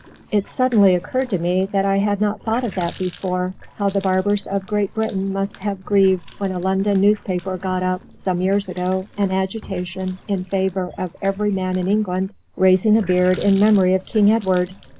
It suddenly occurred to me, what I had not thought of before, how the barbers of Great Britain must have grieved when a London newspaper got up (some years ago) an agitation in favour of every man in England raising a beard in memory of King Edward.